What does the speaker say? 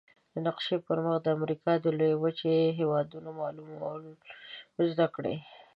د نقشي پر مخ د امریکا د لویې وچې د هېوادونو معلومول زده کړئ.